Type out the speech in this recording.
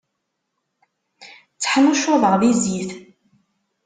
Tteḥnuccuḍeɣ di zzit.